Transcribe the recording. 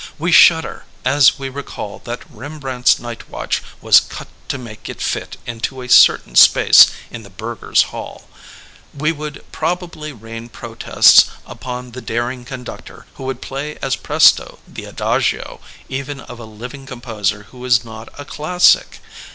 We shudder as we recall that Rembrandt's Night Watch was cut to make it fit into a certain space in the Burghers ' Hall. We would probably rain protests upon the daring conductor who would play as presto the adagio even of a living composer who is not a classic.